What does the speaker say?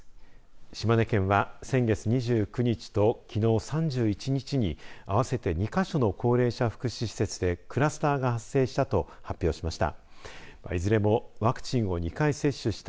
島根県は、先月２９日ときのう３１日に合わせて２か所の高齢者福祉施設でクラスターが発生したと発表しました。